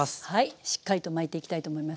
しっかりと巻いていきたいと思います。